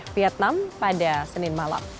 vietnam pada senin malam